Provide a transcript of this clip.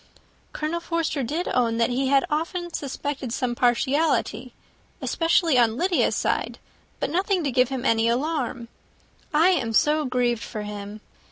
"Colonel Forster did own that he had often suspected some partiality, especially on Lydia's side, but nothing to give him any alarm. I am so grieved for him.